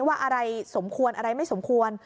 ว่าอะไรสมควรอะไรไม่สมควร